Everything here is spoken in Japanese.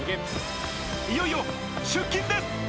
いよいよ出勤です。